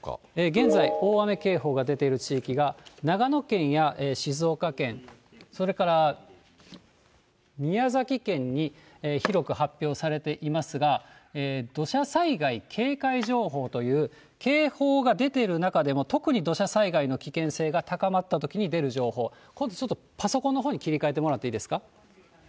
現在、大雨警報が出ている地域が、長野県や静岡県、それから宮崎県に広く発表されていますが、土砂災害警戒情報という、警報が出ている中でも特に土砂災害の危険性が高まったときに出る情報、今度ちょっと、パソコンのほうに切り替えてもらっていいですか。